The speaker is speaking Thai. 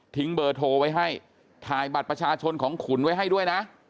เบอร์โทรไว้ให้ถ่ายบัตรประชาชนของขุนไว้ให้ด้วยนะ